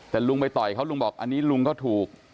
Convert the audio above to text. แต่ลุงไปต่อยเขาลุงบอกอันนี้ลุงก็ถูก